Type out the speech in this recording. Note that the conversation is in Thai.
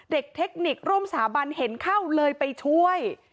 เทคนิคร่วมสถาบันเห็นเข้าเลยไปช่วย